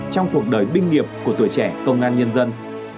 trong cuộc đời binh nghiệp của tuổi trẻ công an nhân dân